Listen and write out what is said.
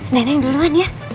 nenek duluan ya